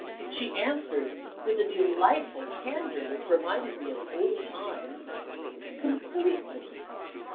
She answered, with a delightful candor which reminded me of old times: "Completely!"